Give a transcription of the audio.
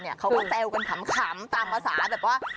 เขาก็แซวกันขำตามภาษาแบบว่า